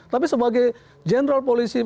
tapi sebagai general polisi